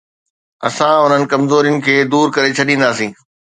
اسان انهن ڪمزورين کي دور ڪري ڇڏينداسين.